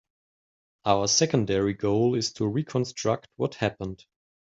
Our secondary goal is to reconstruct what happened.